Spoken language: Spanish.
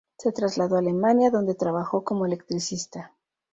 Se trasladó a Alemania, donde trabajó como electricista.